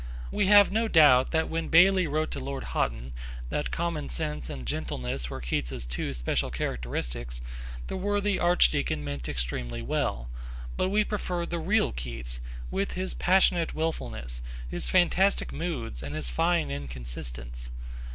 We have no doubt that when Bailey wrote to Lord Houghton that common sense and gentleness were Keats's two special characteristics the worthy Archdeacon meant extremely well, but we prefer the real Keats, with his passionate wilfulness, his fantastic moods and his fine inconsistence.